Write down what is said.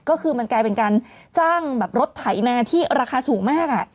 ก็คือมันกลายเป็นการจ้างแบบรถไถมาที่ราคาสูงมาก